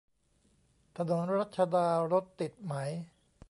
ถนนรัชดารถติดไหม